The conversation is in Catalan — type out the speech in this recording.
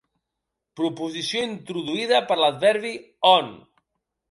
Proposició introduïda per l'adverbi on.